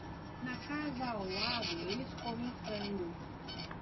Na casa ao lado, eles comem frango.